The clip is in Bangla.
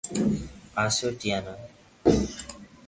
আসো, টিয়ানা।